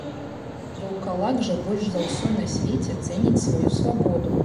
Ваўкалак жа больш за ўсё на свеце цэніць сваю свабоду.